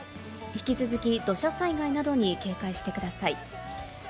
引き続き土砂災害などに警戒してください。